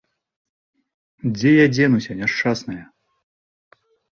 Дзе я дзенуся, няшчасная?